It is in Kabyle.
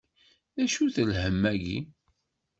D acu-t lhemm-agi?